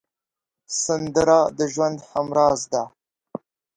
سندره د ژوند همراز ده